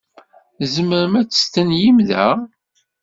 Tzemrem ad testenyim da?